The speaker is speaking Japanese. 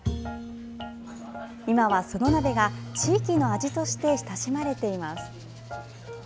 今は、その鍋が地域の味として親しまれています。